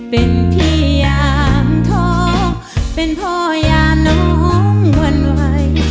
เป็นพี่ยามท้องเป็นพ่อยามน้องวันไหว